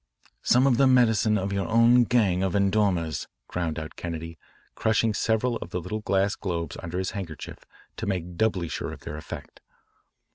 "Some of the medicine of your own gang of endormeurs," ground out Kennedy, crushing several of the little glass globes under his handkerchief to make doubly sure of their effect.